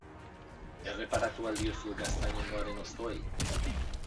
Erreparatu al diozue gaztainondoaren hostoei?